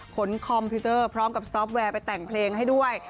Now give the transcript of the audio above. คอมพิวเตอร์พร้อมกับซอฟต์แวร์ไปแต่งเพลงให้ด้วย